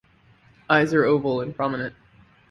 Eyes are oval and prominent.